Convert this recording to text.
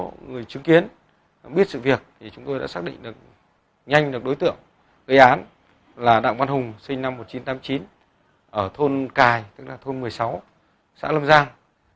và một số người chứng kiến biết sự việc thì chúng tôi đã xác định được nhanh được đối tượng gây án là đạng văn hùng sinh năm một nghìn chín trăm tám mươi chín ở thôn cài tức là thôn một mươi sáu xã lâm giang